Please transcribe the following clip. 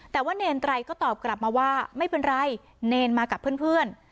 แต่ว่าเนรไตรก็ตอบกลับมาว่าไม่เป็นไรเนรมากับเพื่อน